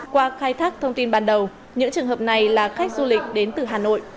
qua khai thác thông tin ban đầu những trường hợp này là khách du lịch đến từ hà nội